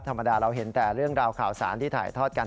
ธรรมดาเราเห็นแต่เรื่องราวข่าวสารที่ถ่ายทอดกัน